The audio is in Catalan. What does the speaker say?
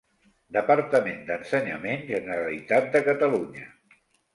Departament d'Ensenyament, Generalitat de Catalunya.